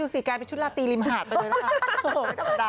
ดูสีแก้ไปชุดลาตีริมหาดไปด้วยนะครับ